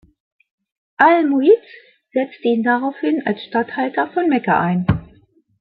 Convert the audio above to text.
Al-Muʿizz setzte ihn daraufhin als Statthalter von Mekka ein.